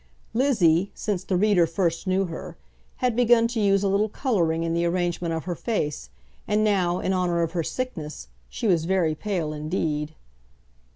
Lizzie, since the reader first knew her, had begun to use a little colouring in the arrangement of her face, and now, in honour of her sickness, she was very pale indeed.